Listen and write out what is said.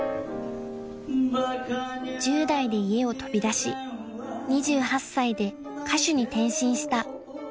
［１０代で家を飛び出し２８歳で歌手に転身した異色のジャズシンガー］